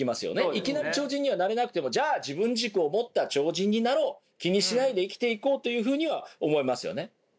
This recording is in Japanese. いきなり超人にはなれなくてもじゃあ自分軸を持った超人になろう気にしないで生きていこうというふうには思えますよね。